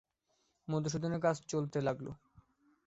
মধুসূদনের কাজ চলতে লাগল।